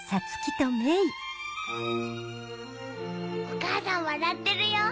お母さん笑ってるよ。